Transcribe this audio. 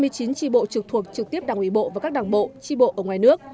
hai mươi chín tri bộ trực thuộc trực tiếp đảng ủy bộ và các đảng bộ tri bộ ở ngoài nước